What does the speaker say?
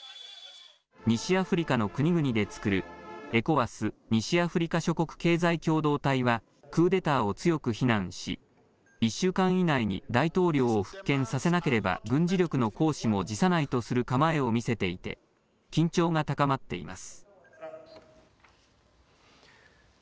西アフリカの国々で作るＥＣＯＷＡＳ・西アフリカ諸国経済共同体はクーデターを強く非難し１週間以内に大統領を復権させなければ軍事力の行使も辞さないとする構えを見せていて緊張が高まっています。